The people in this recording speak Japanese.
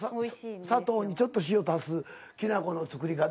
砂糖にちょっと塩足すきな粉の作り方。